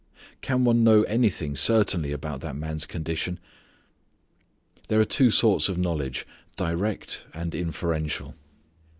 Can one know anything certainly about that man's condition? There are two sorts of knowledge, direct and inferential.